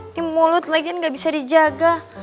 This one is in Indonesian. ini mulut lagian gak bisa dijaga